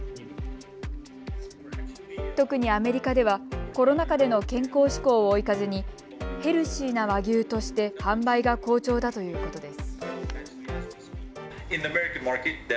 特にアメリカではコロナ禍での健康志向を追い風にヘルシーな和牛として販売が好調だということです。